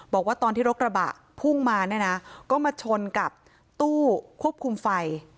บอกว่าตอนที่รถกระบะพุ่งมาเนี่ยนะก็มาชนกับตู้ควบคุมไฟ